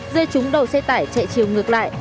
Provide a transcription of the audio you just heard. rơi trúng đầu xe tải chạy chiều ngược lại